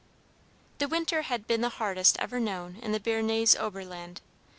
The winter had been the hardest ever known in the Bernese Oberland.